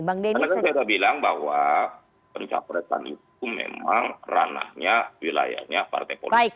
karena kan saya sudah bilang bahwa pencaperetan itu memang ranahnya wilayahnya partai politik